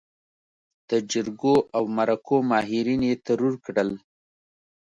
د جرګو او مرکو ماهرين يې ترور کړل.